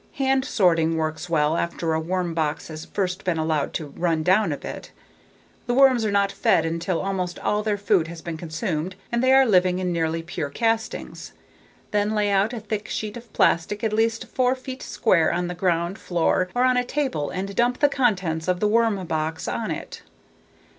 Hand sorting works well after a worm box has first been allowed to run down a bit. The worms are not fed until almost all their food has been consumed and they are living in nearly pure castings. Then lay out a thick sheet of plastic at least four feet square on the ground, floor, or on a table and dump the contents of the worm box on it.